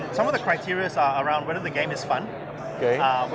dan beberapa kriteria adalah apakah game ini menyenangkan